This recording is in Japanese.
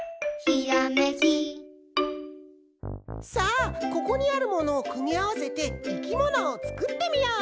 さあここにあるものをくみあわせていきものをつくってみよう！